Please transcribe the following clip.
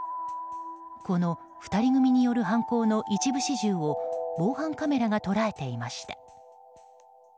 この２人組による犯行の一部始終を防犯カメラが捉えていました。